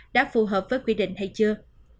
đã phù hợp với quy định hay chưa